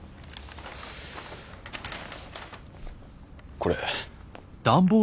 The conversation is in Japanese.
これ。